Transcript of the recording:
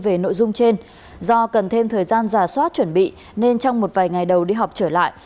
về nội dung trên do cần thêm thời gian giả soát chuẩn bị nên trong một vài ngày đầu đi học trở lại